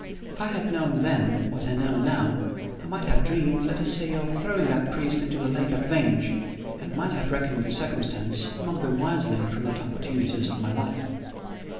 If I had known then, what I know now, I might have dreamed, let us say, of throwing that priest into the lake at Vange, and might have reckoned the circumstance among the wisely improved opportunities of my life.